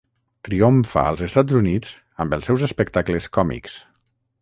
Triomfa als Estats Units amb els seus espectacles còmics.